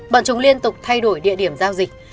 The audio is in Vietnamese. bọn chúng liên tục thay đổi địa điểm giao dịch